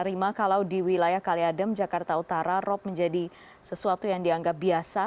rima kalau di wilayah kaliadem jakarta utara rop menjadi sesuatu yang dianggap biasa